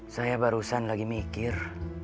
saya barusan lagi mikir